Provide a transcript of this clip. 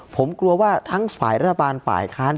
ผมกลัวว่าทั้งฝ่ายรัฐบาลฝ่ายค้าน